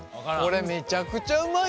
これめちゃくちゃうまいね。